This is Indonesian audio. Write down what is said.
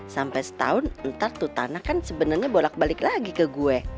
sampai setahun ntar tuh tanah kan sebenarnya bolak balik lagi ke gue